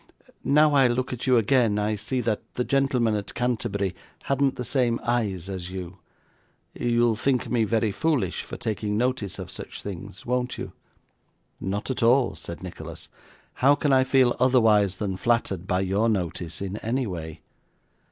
'Now I look at you again, I see that the gentleman at Canterbury hadn't the same eyes as you you'll think me very foolish for taking notice of such things, won't you?' 'Not at all,' said Nicholas. 'How can I feel otherwise than flattered by your notice in any way?